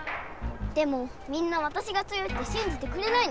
でもみんなわたしが強いってしんじてくれないの。